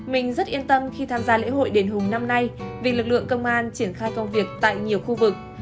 mình rất yên tâm khi tham gia lễ hội đền hùng năm nay vì lực lượng công an triển khai công việc tại nhiều khu vực